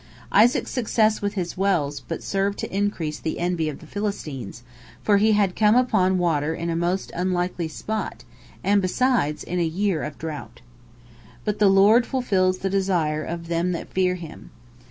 Isaac's success with his wells but served to increase the envy of the Philistines, for he had come upon water in a most unlikely spot and, besides, in a year of drouth. But "the Lord fulfils the desire of them that fear Him."